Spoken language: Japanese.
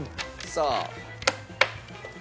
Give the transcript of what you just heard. さあ。